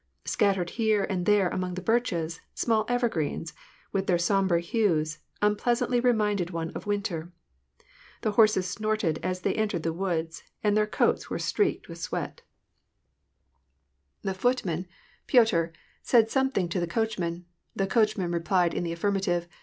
Scattered here and there among the birches, small evergreens, with their sombre hues, unpleasantly reminded one of winter. The horses snorted as they entered the woods, and their coats were streaked with sweat. 156 WAR AND PEACE,^ The footman, Piotr, said something to the coachman : the coachman replied in the affirmative.